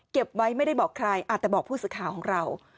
เก็บไว้ไม่ได้บอกใครแต่บอกผู้สื่อข่าวของเรา